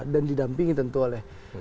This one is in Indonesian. dan didampingi tentu oleh